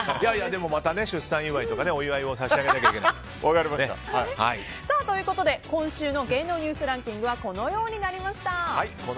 でもまた出産祝いとかお祝いを差し上げなきゃいけないですね。ということで、今週の芸能ニュースランキングはこのようになりました。